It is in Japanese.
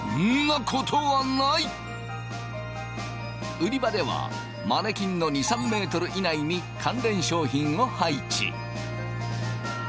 売り場ではマネキンの２３ｍ以内に関連商品を配置。